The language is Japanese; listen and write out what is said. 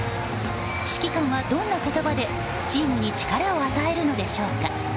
指揮官は、どんな言葉でチームに力を与えるのでしょうか。